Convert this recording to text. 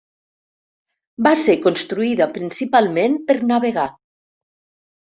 Va ser construïda principalment per navegar.